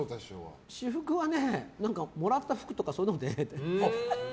私服はもらった服とかそういうので。